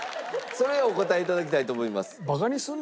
それをお答え頂きたいと思います。